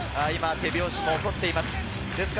手拍子も起こっています。